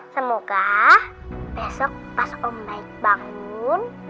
semoga besok pas om baik bangun